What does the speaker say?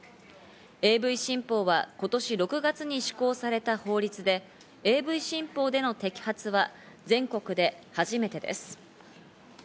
ＡＶ新法は今年６月に施行された法律でＡＶ新法での摘発は全国で初めてです。